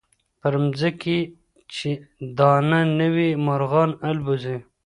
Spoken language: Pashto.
پر مځکي چي دانه نه وي مرغان البوځي.